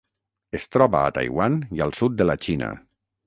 Es troba a Taiwan i al sud de la Xina.